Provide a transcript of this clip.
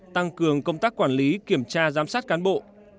tăng cường công tác quản lý kiểm tra giám sát cán bộ